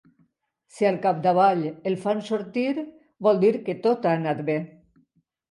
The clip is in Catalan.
Si al capdavall el fan sortir vol dir que tot ha anat bé.